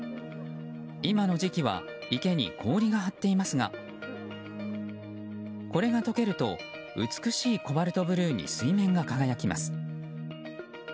今の時期は池に氷が張っていますがこれが解けると美しいコバルトブルーに水面が輝きます。